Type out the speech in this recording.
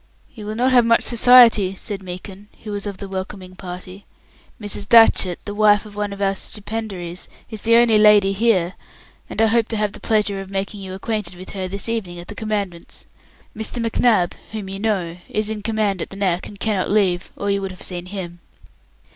"You will not have much society," said Meekin, who was of the welcoming party. "Mrs. Datchett, the wife of one of our stipendiaries, is the only lady here, and I hope to have the pleasure of making you acquainted with her this evening at the Commandant's. Mr. McNab, whom you know, is in command at the Neck, and cannot leave, or you would have seen him."